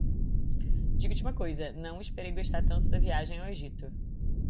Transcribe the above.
Digo-te uma coisa: não esperei gostar tanto da viagem ao Egipto.